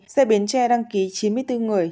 xe bến tre đăng ký chín mươi bốn người